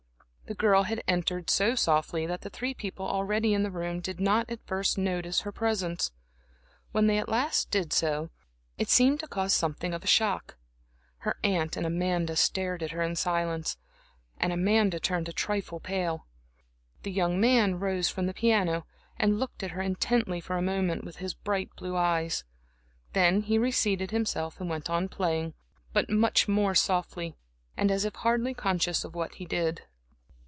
The girl had entered so softly that the three people already in the room did not at first notice her presence. When they at last did so, it seemed to cause something of a shock. Her aunt and Amanda stared at her in silence, and Amanda turned a trifle pale. The young man rose from the piano and looked at her intently for a moment with his bright blue eyes; then he re seated himself and went on playing, but much more softly, and as if hardly conscious of what he did.